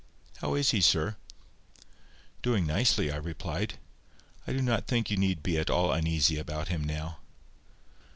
How is he, sir?" "Doing nicely," I replied. "I do not think you need be at all uneasy about him now."